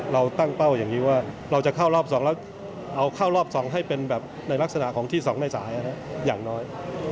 เราตั้งเป้าอย่างนี้ว่าเราจะเข้ารอบ๒แล้วเอาเข้ารอบ๒ให้เป็นแบบในลักษณะของที่๒แม่สายอย่างน้อย